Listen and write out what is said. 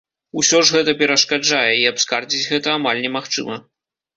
Усё ж гэта перашкаджае, і абскардзіць гэта амаль не магчыма.